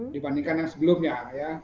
dibandingkan yang sebelumnya ya